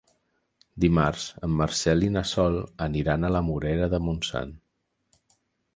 Dimarts en Marcel i na Sol aniran a la Morera de Montsant.